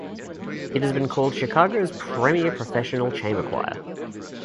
It has been called Chicago's premier professional chamber choir.